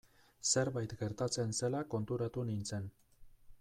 Zerbait gertatzen zela konturatu nintzen.